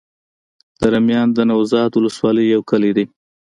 دره میان د نوزاد ولسوالي يو کلی دی.